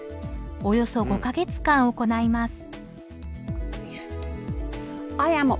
およそ５か月間行います。